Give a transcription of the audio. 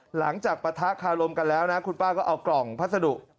หลังจากปะทะคารมกันแล้วคุณป้าก็เอากล่องพัสดุ